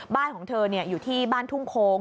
บ้านของเธออยู่ที่บ้านทุ่งโค้ง